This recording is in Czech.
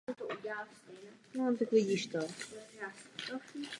Obě věže jsou zakončeny balustrádou.